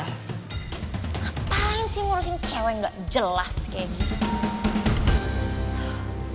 ngapain sih ngurusin cewek gak jelas kayak gitu